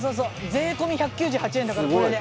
税込み１９８円だからこれで。